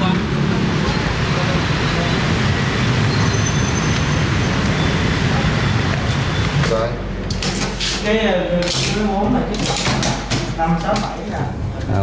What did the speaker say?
bắt giữ các phiên chủ don